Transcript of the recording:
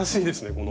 この。